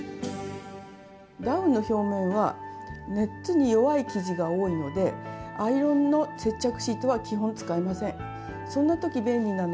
ダウンの表面は熱に弱い生地が多いのでアイロンの接着シートは基本使えません。